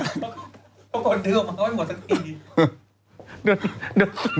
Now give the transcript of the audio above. ทุกคนถือออกมาก็ไม่หมดสักอีก